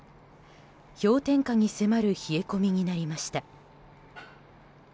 氷点下に迫る冷え込みになりました。